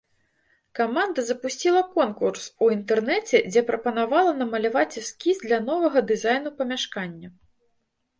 Каманда запусціла конкурс у інтэрнэце, дзе прапанавала намаляваць эскіз для новага дызайну памяшкання.